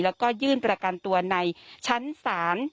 แล้วก็ยื่นประกันตัวในชั้นศาล